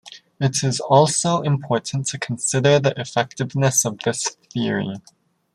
It is also important to consider the effectiveness of this theory.